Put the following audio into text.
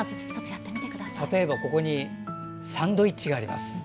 例えば、サンドイッチがあります。